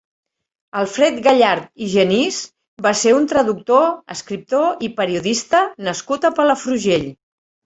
Alfred Gallard i Genís va ser un traductor, escriptor i periodista nascut a Palafrugell.